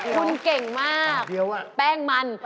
คุณเก่งมากแป้งมัน